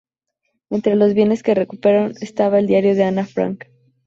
Entre los bienes que recuperaron estaba el "Diario de Ana Frank".